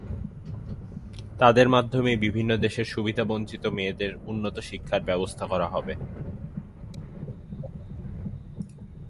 তাঁদের মাধ্যমেই বিভিন্ন দেশের সুবিধাবঞ্চিত মেয়েদের উন্নত শিক্ষার ব্যবস্থা করা হবে।